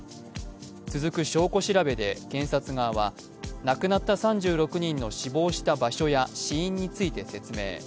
続く証拠調べで検察側はなくなった３６人の死亡した場所や死因について説明。